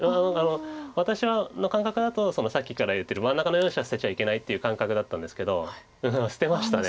私の感覚だとさっきから言ってる真ん中の４子は捨てちゃいけないっていう感覚だったんですけど捨てました。